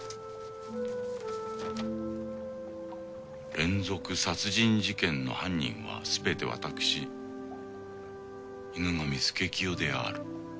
「連続殺人事件の犯人はすべて私犬神佐清である。